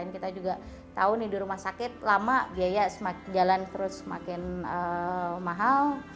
kita juga tahu nih di rumah sakit lama biaya jalan terus semakin mahal